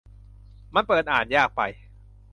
มันเปิดอ่านยากไป